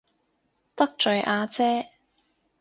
得罪阿姐